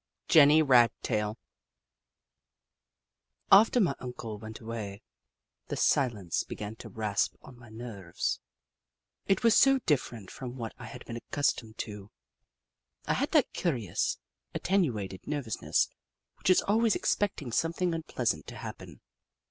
JENNY RAGTAIL After my Uncle went away, the silence be gan to rasp on my nerves ; it was so different from what I had been accustomed to. I had that curious, attenuated nervousness which is always expecting something unpleasant to happen.